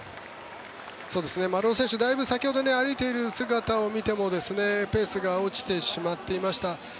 丸尾選手、だいぶ先ほど歩いている姿を見てもペースが落ちてしまっていました。